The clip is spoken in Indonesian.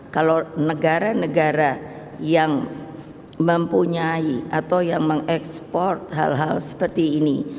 kalau negara negara yang mempunyai atau yang mengekspor hal hal seperti ini